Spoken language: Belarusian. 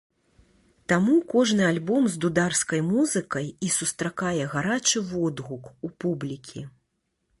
Таму кожны альбом з дударскай музыкай і сустракае гарачы водгук у публікі.